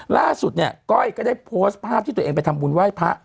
ล่าสุดเนี่ยก้อยก็ได้โพสต์ภาพที่ตัวเองไปทำบุญไหว้พระ